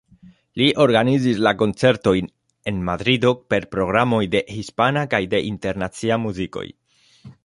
Li organizis la koncertojn en Madrido per programoj de hispana kaj de internacia muzikoj.